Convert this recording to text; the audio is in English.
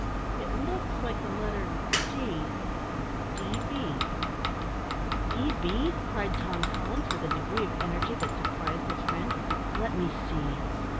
It looks like the letter D DB." "DB?" cried Tom Collins, with a degree of energy that surprised his friend. "Let me see!"